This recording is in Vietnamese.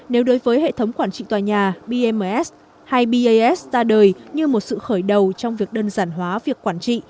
nếu đối với hệ thống quản trị tòa nhà bms hay bas ra đời như một sự khởi đầu trong việc đơn giản hóa việc quản trị